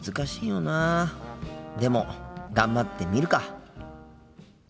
でも頑張ってみるか。